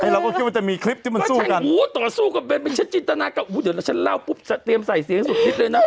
แล้วเราก็คิดว่ามันจะมีคลิปที่มันสู้กัน